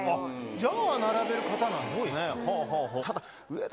じゃあ並べる方なんですね。